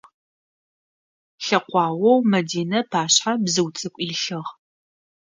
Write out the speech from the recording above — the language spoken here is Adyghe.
Лъэкъуаоу Мэдинэ ыпашъхьэ бзыу цӏыкӏу илъыгъ.